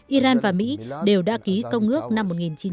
iran và mỹ đều đã ký công ước năm một nghìn chín trăm tám mươi hai